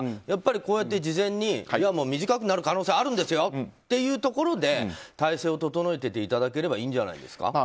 やっぱり事前に短くなる可能性があるんですよというところで体制を整えていただければいいんじゃないですか。